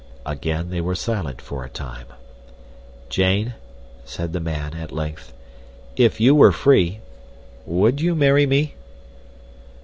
Again they were silent for a time. "Jane," said the man, at length, "if you were free, would you marry me?"